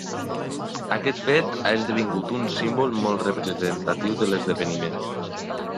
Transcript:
Aquest fet ha esdevingut un símbol molt representatiu de l'esdeveniment.